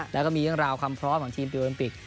แล้วก็มีเรื่องราวความพร้อมของทีมโอลิมปิก